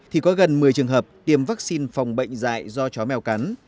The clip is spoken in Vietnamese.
thì có gần một mươi trường hợp tiêm vaccine phòng bệnh dạy do chó mèo cắn